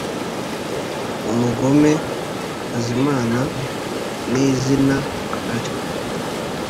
umugome azimana n’izina atyo.